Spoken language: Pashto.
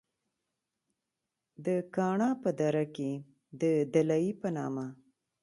د کاڼا پۀ دره کښې د “دلائي” پۀ نامه